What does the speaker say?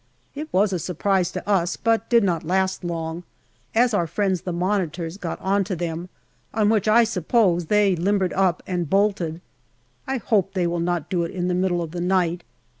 It was a surprise to us, but did not last long, as our friends the Monitors got on to them, on which I suppose they limbered up and bolted. I hope they will not do it in the middle of the night.